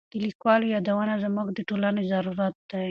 د لیکوالو یادونه زموږ د ټولنې ضرورت دی.